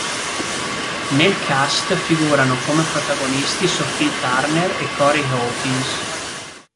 Nel cast figurano come protagonisti Sophie Turner e Corey Hawkins.